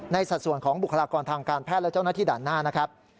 สัดส่วนของบุคลากรทางการแพทย์และเจ้าหน้าที่ด่านหน้านะครับ